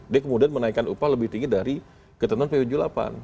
dia kemudian menaikkan upah lebih tinggi dari ketentuan ppjuv delapan